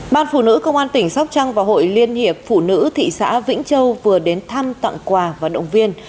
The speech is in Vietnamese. ban phụ nữ công an tỉnh sóc trăng và hội liên hiệp phụ nữ thị xã vĩnh châu vừa đến thăm tặng quà và động viên